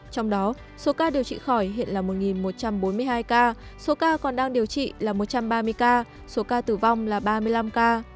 trong đó số ca điều trị khỏi hiện là một một trăm bốn mươi hai ca số ca còn đang điều trị là một trăm ba mươi ca số ca tử vong là ba mươi năm ca